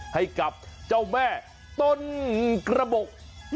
ให้กับเจ้าแม่ต้นกระบบ